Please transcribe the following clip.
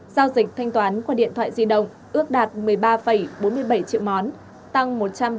giao dịch thanh toán qua điện thoại di động ước đạt một mươi ba bốn mươi bảy triệu món tăng một trăm bảy mươi sáu bảy